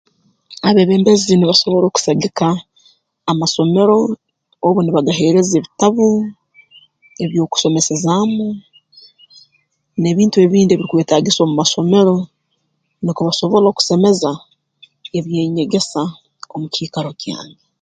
Abeebembezi nibasobora okusagika amasomero obu nibagaheereza ebitabu eby'okusomesezaamu n'ebintu ebindi ebirukwetaagisa omu masomero nukwo basobole okusemeza eby'enyegesa omu kiikaro kyange